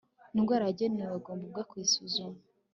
Indwara yagenewe agomba ubwe kwisuzuma